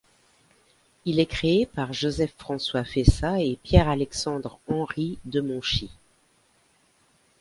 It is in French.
Il est créé par Joseph-François Feissat et Pierre Alexandre-Henri Demonchy.